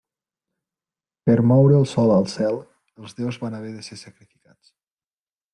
Per moure el sol al cel, els déus van haver de ser sacrificats.